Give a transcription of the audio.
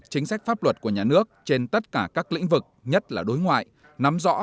chính sách pháp luật của nhà nước trên tất cả các lĩnh vực nhất là đối ngoại nắm rõ